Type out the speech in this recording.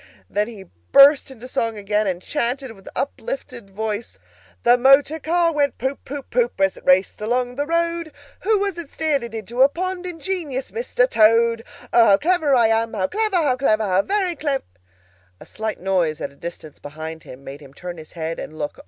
Then he burst into song again, and chanted with uplifted voice— "The motor car went Poop poop poop, As it raced along the road. Who was it steered it into a pond? Ingenious Mr. Toad! O, how clever I am! How clever, how clever, how very clev——" A slight noise at a distance behind him made him turn his head and look.